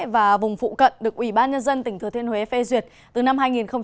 và vùng phụ cận được ủy ban nhân dân tỉnh thừa thiên huế phê duyệt từ năm hai nghìn một mươi một